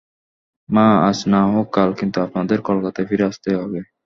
মা, আজ না হোক কাল কিন্তু আপনাদের কলকাতায় ফিরে আসতেই হবে।